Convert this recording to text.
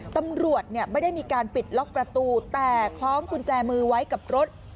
ตำรวจไม่ได้มีการปิดล็อกประตูแต่คล้องกุญแจมือไว้กับรถ